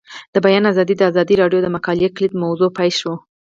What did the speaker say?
د بیان آزادي د ازادي راډیو د مقالو کلیدي موضوع پاتې شوی.